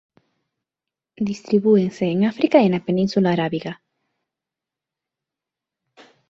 Distribúense en África e na Península Arábiga.